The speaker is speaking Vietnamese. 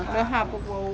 rồi hà phục vụ